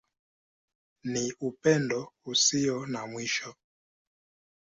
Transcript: Ni Upendo Usio na Mwisho.